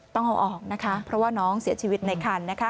ต้องเอาออกนะคะเพราะว่าน้องเสียชีวิตในคัน